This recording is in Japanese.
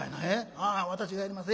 ああ私がやります。